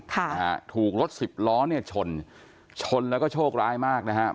ถูกรถสิบล้อชนชนแล้วก็โชคร้ายมากนะครับ